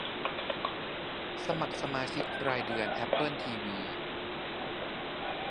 สมัครสมาชิกรายเดือนแอปเปิลทีวี